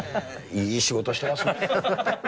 いい仕事してますね。